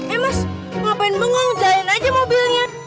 eh mas ngapain bengong jalanin aja mobilnya